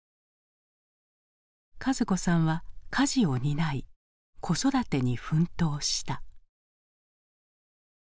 一子さんは家事を担い子育てに奮闘した。